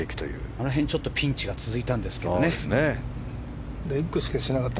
あの辺ピンチが続いたんですけどね。